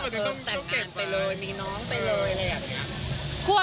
ต้องเก็บไปเลยมีน้องไปเลย